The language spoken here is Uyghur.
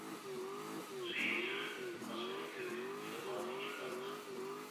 سۈيى سۈزۈك، ئاسمىنى كۆك، كىلىماتى ئىللىق.